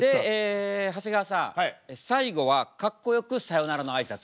長谷川さん最後はかっこよく「さようなら」のあいさつ。